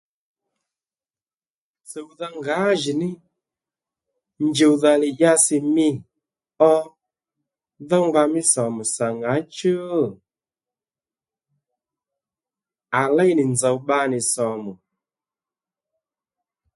Tsuwdha ngǎjìní njuwdha li dyási mí kàò dho ngba mí sǒmù sà ŋǎchú? À léy nì nzòw bba nì sǒmù